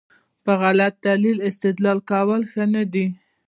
په غلط دلیل استدلال کول ښه نه دي.